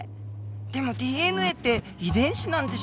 でもＤＮＡって遺伝子なんでしょうか？